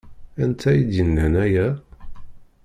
Anta i d-yennan aya?